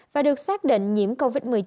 và được xác định nhiễm covid một mươi chín